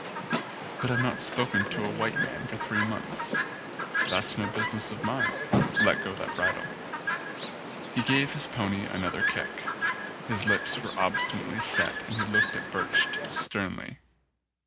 "But I've not spoken to a white man for three months." "That's no business of mine. Let go that bridle." He gave his pony another kick. His lips were obstinately set and he looked at Birch sternly.